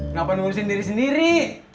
kenapa ngurusin diri sendiri